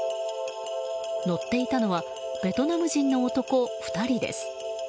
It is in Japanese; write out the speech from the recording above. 乗っていたのはベトナム人の男２人です。